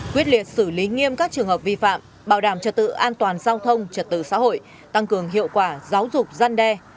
quyết liệt xử lý nghiêm các trường hợp vi phạm bảo đảm trật tự an toàn giao thông trật tự xã hội tăng cường hiệu quả giáo dục gian đe